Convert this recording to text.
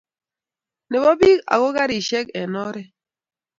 nebo biik ago karishek eng oret